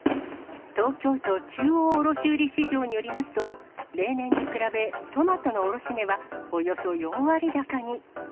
東京都中央卸売市場によりますと、例年に比べ、トマトの卸値はおよそ４割高に。